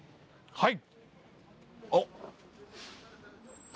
はい。